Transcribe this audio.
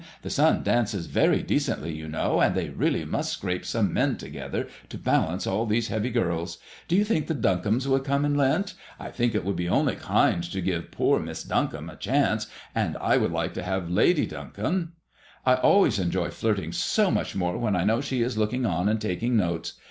The son dances very decently, you know, and they really must scrape some men together to balance all these heavy girls. Do you think the Duncombes would come in Lent ? I think it would be only kind to give poor Miss Duncombe a chance, and I should like to have Lady Duncombe ; I always enjoy flirting so much more when I know she is looking on and taking notes.